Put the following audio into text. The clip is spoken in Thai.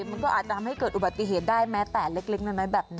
มันก็อาจจะทำให้เกิดอุบัติเหตุได้แม้แต่เล็กน้อยแบบนี้